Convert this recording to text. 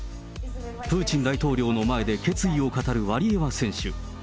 プーチン大統領の前で決意を語るワリエワ選手。